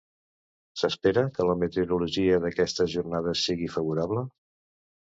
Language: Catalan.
S'espera que la meteorologia d'aquestes jornades sigui favorable?